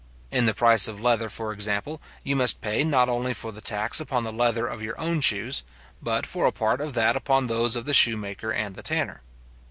In the price of leather, for example, you must pay not only for the tax upon the leather of your own shoes, but for a part of that upon those of the shoemaker and the tanner.